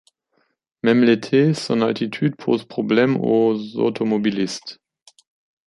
Même l’été, son altitude pose problème aux automobilistes.